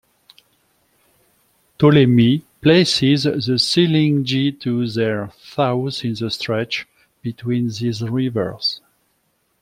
Ptolemy places the Silingi to their south in the stretch between these rivers.